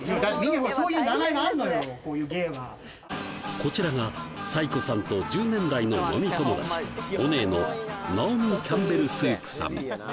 こういうゲイはこちらが才子さんと１０年来の飲み友達オネエのナオミ・キャンベルスープさん